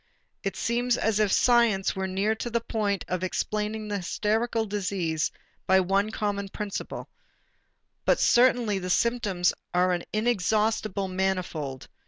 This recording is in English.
It seems as if science were near to the point of explaining the hysterical disease by one common principle, but certainly the symptoms are an inexhaustible manifold.